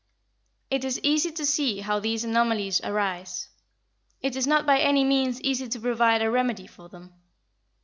It is easy to see how these anomalies arise. It is not by any means easy to provide a remedy for them.